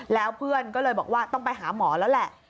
แล้วเพื่อนก็เลยบอกว่าต้องไปหาหมอแล้วแหละ